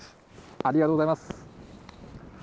ありがとうございます。